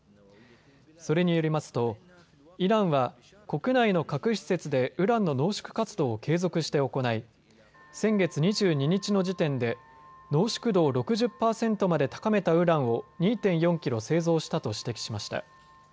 それによりますとイランは国内の核施設でウランの濃縮活動を継続して行い先月２２日の時点で濃縮度を６０％まで高めたウランを２．４キロ製造したと指摘しました。